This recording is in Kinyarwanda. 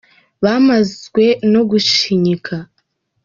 Bamazwe no gushinyika